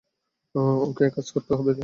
ওকে একাজ করতে হবে বা।